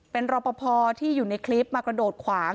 เป็นรอปภที่อยู่ในคลิปมากระโดดขวาง